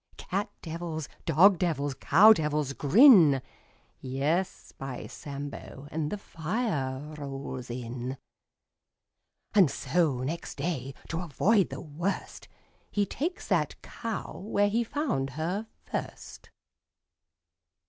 Cat devils, dog devils, cow devils grin — Yes, by Sambo, And the fire rolls in. 870911 100 VACHEL LINDSAY And so, next day, to avoid the worst — He ta'kes that cow Where he found her first.